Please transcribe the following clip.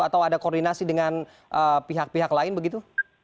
atau ada koordinasi dengan pihak pihak lain begitu